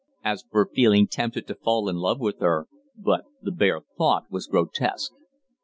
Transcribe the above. As for feeling tempted to fall in love with her but the bare thought was grotesque.